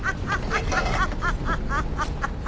ハハハハハ。